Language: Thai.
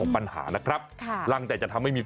ฟิล์ม